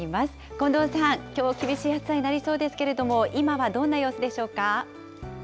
近藤さん、きょう厳しい暑さになりそうですけれども、今はどんな様子でしょうか。